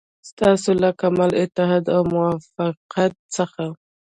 ستاسو له کمال اتحاد او موافقت څخه.